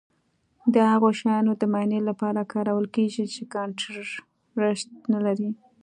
د هغو شیانو معاینې لپاره کارول کیږي چې کانټراسټ نه لري.